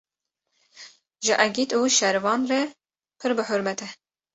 ji egît û şervan re pir bi hurrmet e.